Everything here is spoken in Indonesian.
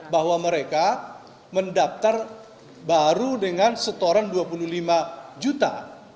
bahwa mereka mendaftar baru dengan setoran dua puluh lima juta